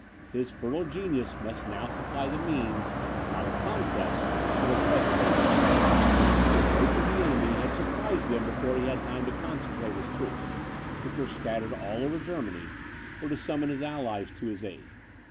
His fertile genius must now supply the means, not of conquest, but of preservation. The approach of the enemy had surprised him before he had time to concentrate his troops, which were scattered all over Germany, or to summon his allies to his aid.